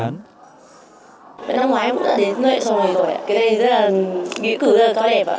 năm ngoái em cũng đã đến nơi xong rồi rồi ạ cái này nghĩ cử rất là cao đẹp ạ